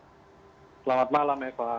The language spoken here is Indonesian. selamat malam eva